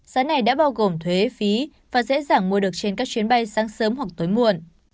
giá này đã bao gồm thuế phí và dễ dàng mua được trên các chuyến bay sáng sớm hoặc tối muộn